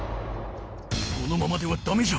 このままではだめじゃ！